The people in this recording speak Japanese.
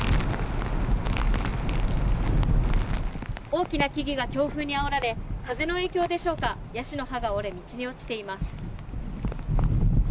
大きな木々が強風にあおられ風の影響でしょうかヤシの葉が折れ道に落ちています。